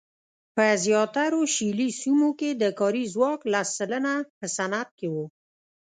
په زیاترو شلي سیمو کې د کاري ځواک لس سلنه په صنعت کې وو.